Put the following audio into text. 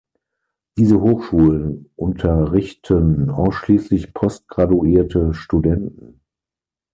Diese Hochschulen unterrichten ausschließlich postgraduierte Studenten.